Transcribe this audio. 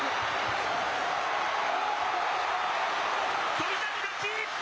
翔猿、勝ち！